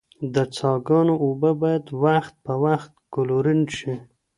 د څاه ګانو اوبه باید وخت په وخت کلورین شي.